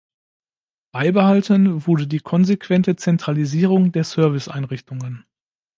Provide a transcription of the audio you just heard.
Beibehalten wurde die konsequente Zentralisierung der Service-Einrichtungen.